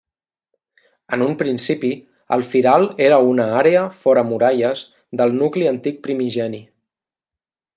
En un principi, el Firal era una àrea fora muralles del nucli antic primigeni.